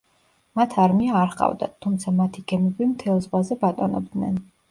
მათ არმია არ ჰყავდათ, თუმცა მათი გემები მთელ ზღვაზე ბატონობდნენ.